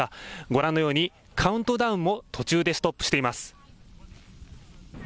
ご覧のように、カウントダウンも途中でストップしています。